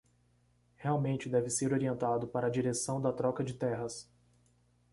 Realmente deve ser orientado para a direção da troca de terras